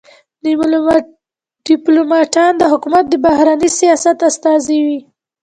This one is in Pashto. ډيپلوماټان د حکومت د بهرني سیاست استازي وي.